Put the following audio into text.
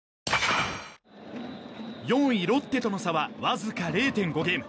４位、ロッテとの差はわずか０．５ゲーム。